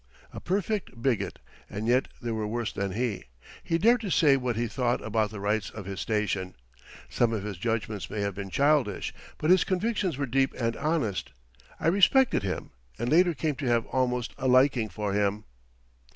A perfect bigot; and yet there were worse than he. He dared to say what he thought about the rights of his station. Some of his judgments may have been childish, but his convictions were deep and honest. I respected him, and later came to have almost a liking for him.